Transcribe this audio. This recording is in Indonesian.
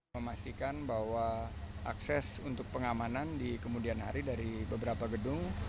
memastikan bahwa akses untuk pengamanan di kemudian hari dari beberapa gedung